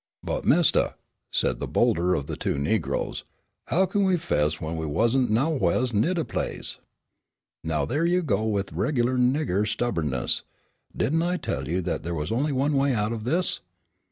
"But Mistah," said the bolder of the two negroes, "how kin we 'fess, when we wasn' nowhahs nigh de place?" "Now there you go with regular nigger stubbornness; didn't I tell you that that was the only way out of this?